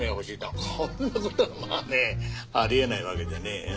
こんなことはまあねありえないわけでね。